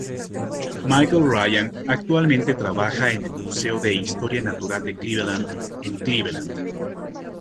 Michael Ryan actualmente trabaja en el Museo de Historia Natural de Cleveland, en Cleveland.